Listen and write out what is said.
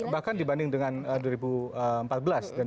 bahkan dibanding dengan dua ribu empat belas dan dua ribu sembilan